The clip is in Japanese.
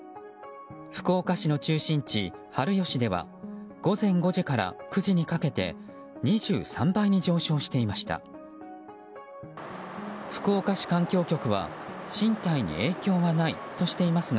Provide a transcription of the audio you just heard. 福岡市の中心地、春吉では午前５時から９時にかけて２３倍に上昇していました。